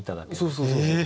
そうそうそうそう。